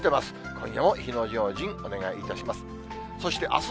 今夜も火の用心、お願いいたします。